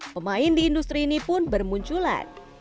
pemain di industri ini pun bermunculan